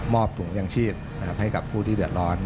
ถุงยังชีพให้กับผู้ที่เดือดร้อน